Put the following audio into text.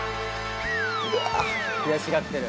悔しがってる。